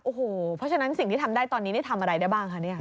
โอ้โหเพราะฉะนั้นสิ่งที่ทำได้ตอนนี้นี่ทำอะไรได้บ้างคะเนี่ย